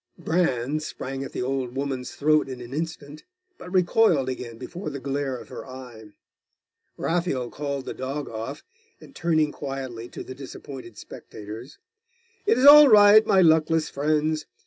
Bran sprang at the old woman's throat in an instant; but recoiled again before the glare of her eye. Raphael called the dog off, and turning quietly to the disappointed spectators 'It is all right, my luckless friends.